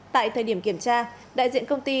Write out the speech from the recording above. tại thời điểm kiểm tra đại diện công ty